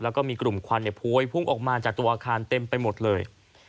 แล้วก็มีกลุ่มควันพวยพุ่งออกมาจากตัวอาคารเต็มไปหมดเลย